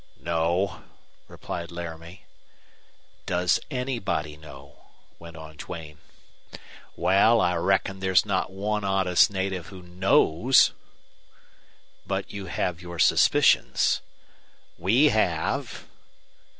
"No," replied Laramie. "Does anybody know?" went on Duane. "Wal, I reckon there's not one honest native who KNOWS." "But you have your suspicions?" "We have."